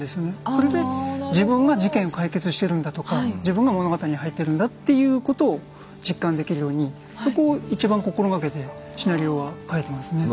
それで「自分が事件を解決してるんだ」とか「自分が物語に入ってるんだ」っていうことを実感できるようにそこを一番心掛けてシナリオは書いてますね。